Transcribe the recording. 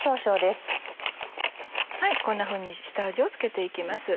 こんなふうに下味を付けて行きます。